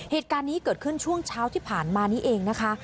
เหตุการณ์นี้เกิดขึ้นช่วงเช้าที่ผ่านมานี้เองนะคะ